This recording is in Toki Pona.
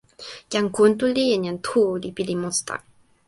jan Kuntuli en jan Tu li pilin monsuta.